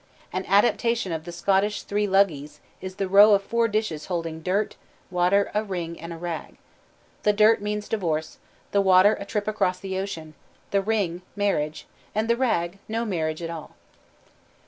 An adaptation of the Scottish "three luggies" is the row of four dishes holding dirt, water, a ring, and a rag. The dirt means divorce, the water, a trip across the ocean, the ring, marriage, the rag, no marriage at all.